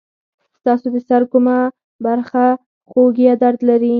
ستاسو د سر کومه برخه خوږ یا درد لري؟